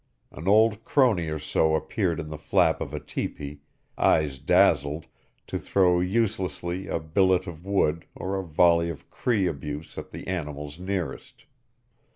An old crone or so appeared in the flap of a teepee, eyes dazzled, to throw uselessly a billet of wood or a volley of Cree abuse at the animals nearest.